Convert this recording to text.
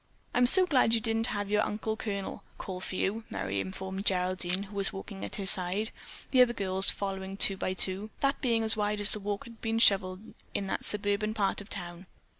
"I'm so glad you didn't have your 'uncle colonel' call for you," Merry informed Geraldine, who was walking at her side, the other girls following two by two, that being as wide as the walk had been shoveled in that suburban part of town.